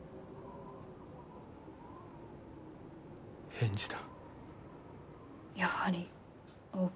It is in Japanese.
返事だ。